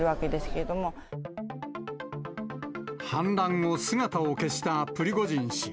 けれ反乱後、姿を消したプリゴジン氏。